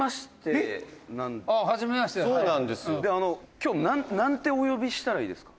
「今日、なんてお呼びしたらいいですか？」